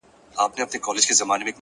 گلي پر ملا باندي راماته نسې!